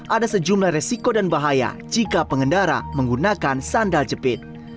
ada sejumlah resiko dan bahaya jika pengendara menggunakan sandal jepit